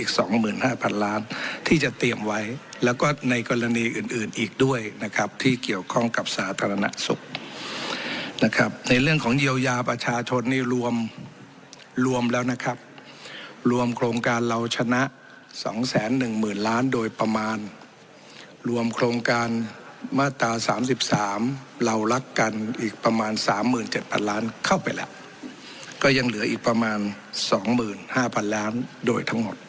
สองหมื่นห้าพันล้านที่จะเตรียมไว้แล้วก็ในกรณีอื่นอื่นอีกด้วยนะครับที่เกี่ยวข้องกับสาธารณสุขนะครับในเรื่องของเยียวยาประชาชนนี่รวมรวมแล้วนะครับรวมโครงการเราชนะสองแสนหนึ่งหมื่นล้านโดยประมาณรวมโครงการมาตราสามสิบสามเรารักกันอีกประมาณสามหมื่นเจ็ดพันล้านเข้าไปแล้วก็ยังเหลืออีกประมาณสองหมื่นห้าพันล้านโดยทั้งหมด